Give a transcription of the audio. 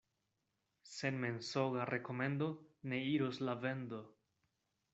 Sen mensoga rekomendo ne iros la vendo.